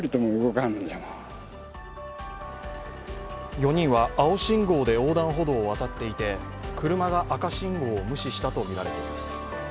４人は青信号で横断歩道を渡っていて車が赤信号を無視したとみられています。